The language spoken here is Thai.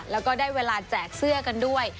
แล้วก็ได้เวลาแจกเสื้อกันด้วย